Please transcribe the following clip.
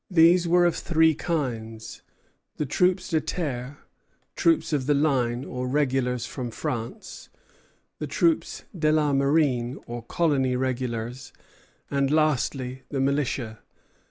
These were of three kinds, the troupes de terre, troops of the line, or regulars from France; the troupes de la marine, or colony regulars; and lastly the militia.